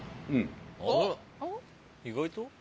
意外と？